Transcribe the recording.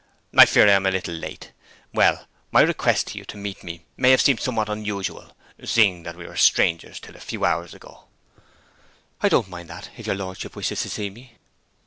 'I fear I am a little late. Well, my request to you to meet me may have seemed somewhat unusual, seeing that we were strangers till a few hours ago.' 'I don't mind that, if your lordship wishes to see me.'